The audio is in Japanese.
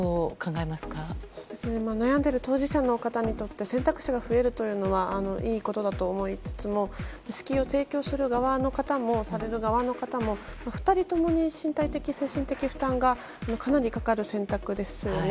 悩んでいる当事者の選択肢が増えるというのはいいことだと思いつつも子宮を提供する側の方もされる側の方も２人とも肉体的・精神的負担がかなりかかる選択ですよね。